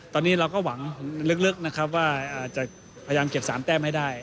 ตอนนี้เราก็หวังลึกนะครับว่าจะพยายามเก็บ๓แต้มให้ได้